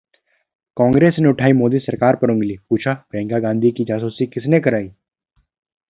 कांग्रेस ने उठाई मोदी सरकार पर उंगली, पूछा- प्रियंका गांधी की जासूसी किसने कराई?